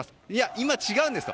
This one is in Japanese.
今違うんですと。